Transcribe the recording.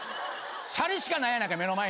シャリしかないやないか目の前に。